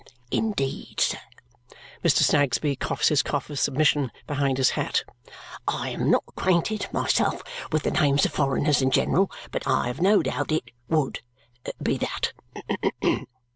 "Indeed, sir?" Mr. Snagsby coughs his cough of submission behind his hat. "I am not acquainted myself with the names of foreigners in general, but I have no doubt it WOULD be that."